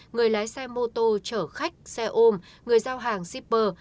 người lái xe mô tô chở khách xe ôm người giao hàng shipper